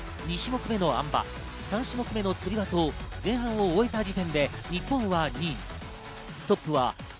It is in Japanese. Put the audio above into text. ２種目目のあん馬、３種目目のつり輪と、前半を終えた時点で日本は２位。